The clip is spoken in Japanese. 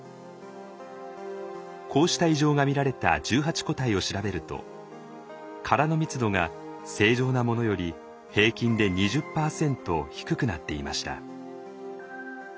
こうした異常が見られた１８個体を調べると殻の密度が正常なものより平均で２０％低くなっていました。